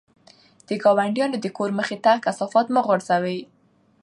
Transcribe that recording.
د ګاونډیانو د کور مخې ته د کثافاتو مه غورځوئ.